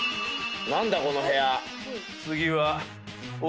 何だこの部屋えっ？